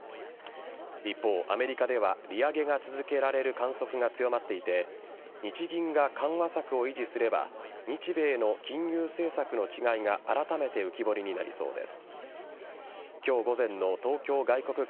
一方、アメリカでは利上げが続けられる観測が強まっていて日銀が緩和策を維持すれば日米の金融政策の違いがあらためて浮き彫りになりそうです。